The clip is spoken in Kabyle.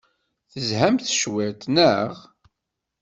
Tezhamt cwiṭ, naɣ?